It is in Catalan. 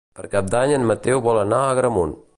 Per Cap d'Any en Mateu vol anar a Agramunt.